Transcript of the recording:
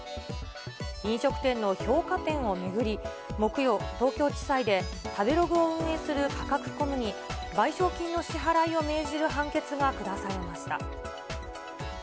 飲食店の評価点を巡り、木曜、東京地裁で食べログを運営するカカクコムに、賠償金の支払いを命じる判決が下されました。